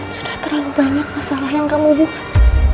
sudah terlalu banyak masalah yang kamu buat